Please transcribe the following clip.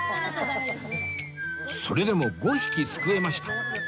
それでも５匹すくえました